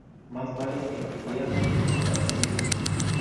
Más vale envidiado que compadecido.